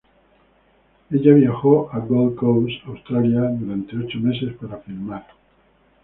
Ella viajó a Gold Coast, Australia durante ocho meses para filmar.